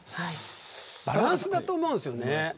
バランスだと思うんですよね。